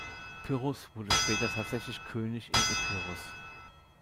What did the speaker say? Pyrrhus wurde später tatsächlich König in Epiros.